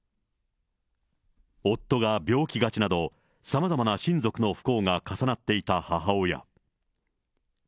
夫が病気がちなど、さまざまな親族の不幸が重なっていた母親。